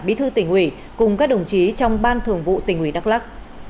bí thư tỉnh uỷ cùng các đồng chí trong ban thường vụ tỉnh uỷ đắk lắc